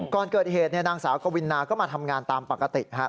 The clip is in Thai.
ก่อนเกิดเหตุนางสาวกวินาก็มาทำงานตามปกติ